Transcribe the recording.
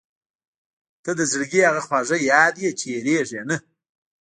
• ته د زړګي هغه خواږه یاد یې چې هېرېږي نه.